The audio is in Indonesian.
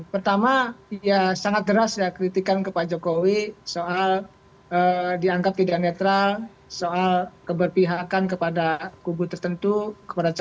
pertama ya sangat deras kritikan kepada jokowi soal dianggap tidak netral soal keberpihakan kepada kulturnya